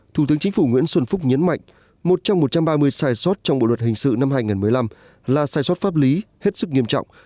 thủ tướng chính phủ nguyễn xuân phúc nhấn mạnh một trong một trăm ba mươi sai sót trong bộ luật hình sự năm hai nghìn một mươi năm là sai sót pháp lý hết sức nghiêm trọng